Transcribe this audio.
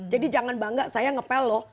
jadi jangan bangga saya ngepel loh